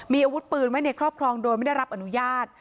มีอาวุธปืนไว้ในครอบครองโดยไม่ได้รับอนุญาต